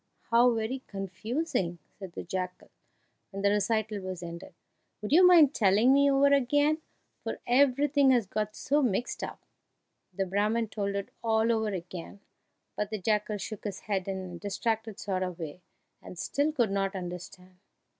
"How very confusing!" said the jackal, when the recital was ended; "would you mind telling me over again, for everything has got so mixed up?" The Brahman told it all over again, but the jackal shook his head in a distracted sort of way, and still could not understand.